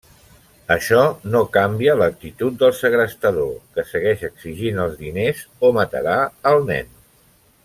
Això no canvia l'actitud del segrestador, que segueix exigint els diners o matarà al nen.